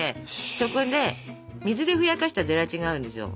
そこで水でふやかしたゼラチンがあるんですよ。